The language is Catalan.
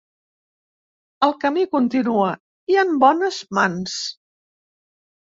El camí continua, i en bones mans.